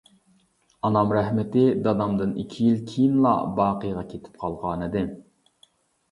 ئانام رەھمىتى دادامدىن ئىككى يىل كېيىنلا باقىغا كېتىپ قالغانىدى.